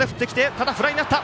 ただフライになった。